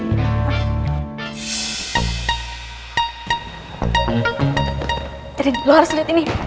tidak lo harus liat ini